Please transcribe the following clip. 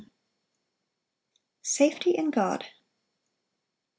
1 6. Safety in God.